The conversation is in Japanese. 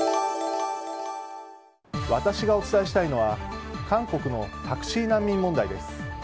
私がお伝えしたいのは韓国のタクシー難民問題です。